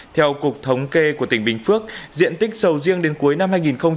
theo cục thống kê của tỉnh bình phước diện tích sầu riêng đến cuối năm hai nghìn một mươi chín